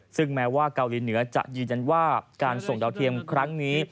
ซึ่งแม้ว่าเกาหลีเหนือจะยืนยันว่าการส่งดาวเทียมครั้งนี้